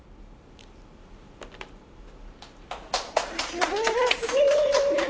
すばらしい！